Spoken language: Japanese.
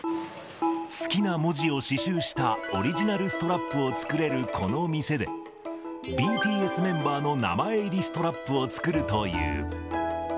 好きな文字を刺しゅうしたオリジナルストラップを作れるこの店で、ＢＴＳメンバーの名前入りストラップを作るという。